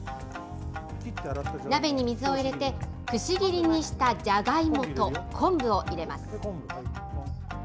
鍋に水を入れて、くし切りにしたじゃがいもと昆布を入れます。